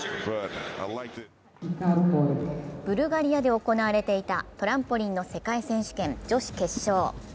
ブルガリアで行われていたトランポリンの世界選手権女子決勝。